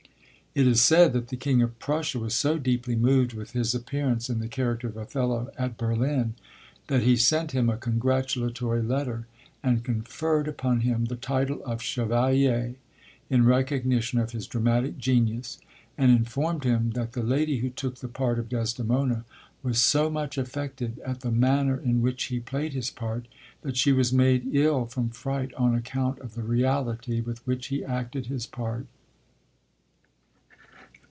It is said that the King of Prussia was so deeply moved with his appearance in the character of Othello, at Berlin, that he spent him a congratulatory letter, and conferred upon him the title of chevalier, in recognition of his dramatic genius, and informed him that the lady who took the part of Desdemona was so much affected at the manner in which he played his part that she was made ill from fright on account of the reality with which he acted his part.